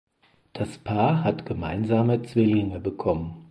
Das Paar hat gemeinsame Zwillinge bekommen.